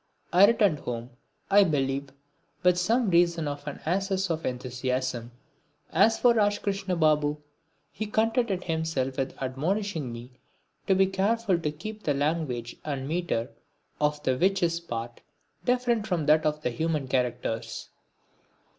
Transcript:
I returned home, I believe, with some reason for an access of enthusiasm. As for Rajkrishna Babu, he contented himself with admonishing me to be careful to keep the language and metre of the Witches' parts different from that of the human characters.